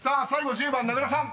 １０番名倉さん］